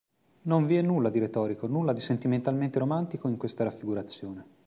Non vi è nulla di retorico, nulla di sentimentalmente romantico in questa raffigurazione.